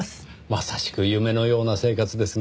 まさしく夢のような生活ですねぇ。